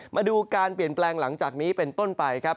มาดูการเปลี่ยนแปลงหลังจากนี้เป็นต้นไปครับ